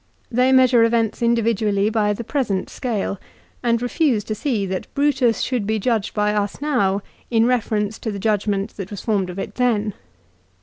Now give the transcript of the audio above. They measure events individually by the present scale, and refuse to see that Brutus should be judged by us now in reference to the judgment that was formed of it then.